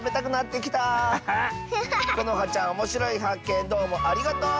このはちゃんおもしろいはっけんどうもありがとう！